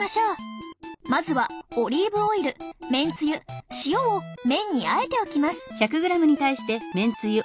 まずはオリーブオイルめんつゆ塩を麺に和えておきます